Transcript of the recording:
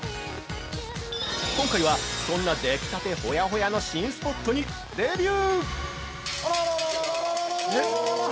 今回はそんなできたてホヤホヤの新スポットにデビュー！